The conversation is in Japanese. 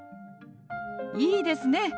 いいですね。